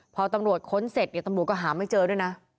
พอตำรวจค้นเสร็จเนี่ยตำรวจก็หาไม่เจอด้วยนะ